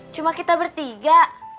cuma kita bertiga